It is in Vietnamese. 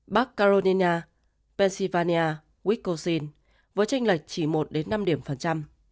bắc carolina pennsylvania wisconsin với tranh lệch chỉ một đến năm điểm phần trăm